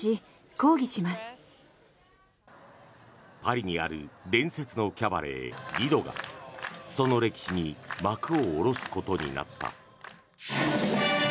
パリにある伝説のキャバレーリドがその歴史に幕を下ろすことになった。